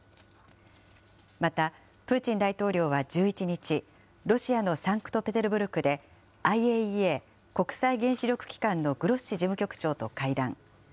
また、プーチン大統領は１１日、ロシアのサンクトペテルブルクで、ＩＡＥＡ・国際原子力機関のグロッシ事務局長と会談。